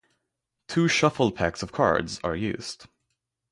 Two shuffled packs of cards are used.